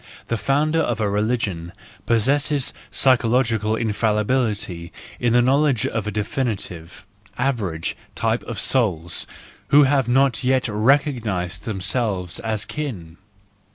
The founder of a religion possesses psychological infallibility in the knowledge of a definite, average type of souls, who have not yet recognised themselves as akin.